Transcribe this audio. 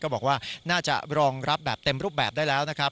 บอกว่าน่าจะรองรับแบบเต็มรูปแบบได้แล้วนะครับ